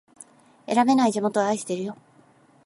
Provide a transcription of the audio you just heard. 選べない地元を愛してるよ